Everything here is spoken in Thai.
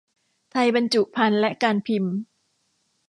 ไทยบรรจุภัณฑ์และการพิมพ์